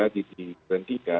di grand tiga